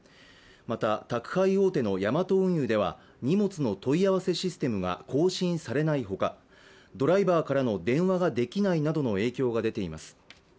また、宅配大手のヤマト運輸では、荷物の問い合わせシステムが更新されないほか、ドライバーからの電話ができないなどの影響が出ています。